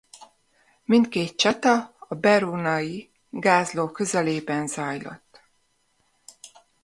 Mindkét csata a Berunai-gázló közelében zajlott.